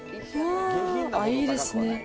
いいですね！